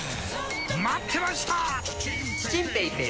待ってました！